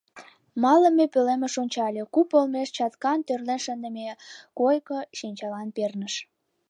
Малыме пӧлемыш ончале: куп олмеш чаткан тӧрлен шындыме койко шинчалан перныш.